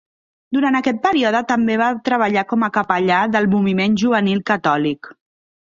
Durant aquest període també va treballar com a capellà del moviment juvenil catòlic.